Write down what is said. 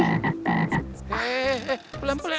eh eh eh pelan pelan